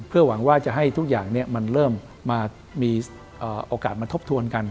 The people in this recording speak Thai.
หวังว่าจะให้ทุกอย่างมันเริ่มมามีโอกาสมาทบทวนกัน